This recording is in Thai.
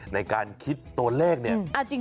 ในการคิดตัวเลขเนี่ย